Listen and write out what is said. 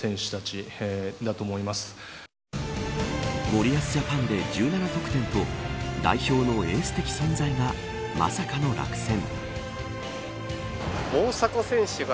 森保ジャパンで１７得点と代表のエース的存在がまさかの落選。